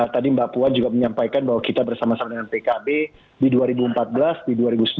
tadi mbak puan juga menyampaikan bahwa kita bersama sama dengan pkb di dua ribu empat belas di dua ribu sembilan belas